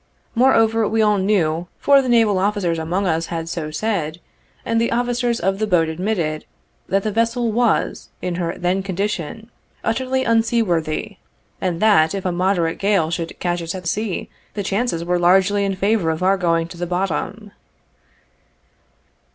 Moreover, we all knew, for the naval officers among us had so said, and the officers of the boat admitted, that the vessel was, in her then condition, utterly unseaworthy, and that, if a moderate gale should catch us at sea, the chances were largely in favor of our going to the bottom.